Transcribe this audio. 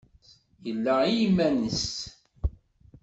Yella i yiman-nnes.